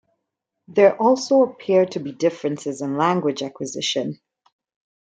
There also appear to be differences in language acquisition.